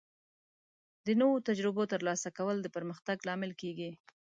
د نوو تجربو ترلاسه کول د پرمختګ لامل کیږي.